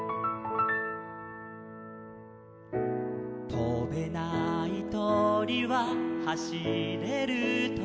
「とべないとりははしれるとり」